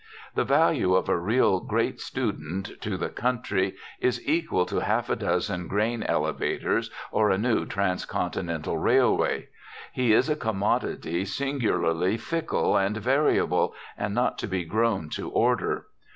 The value of a really great student to the country is equal to half a dozen grain elevators or a new trans continental railway. He is a commodity singularly fickle and variable, and not to be grown to order.